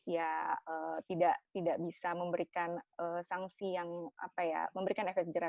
ya tidak bisa memberikan sanksi yang apa ya memberikan efek jera